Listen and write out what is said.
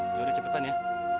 ya udah cepetan ya